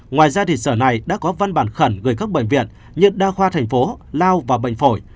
ngoài ra sở này đã có văn bản khẩn gửi các bệnh viện nhiệt đa khoa thành phố lao và bệnh phổi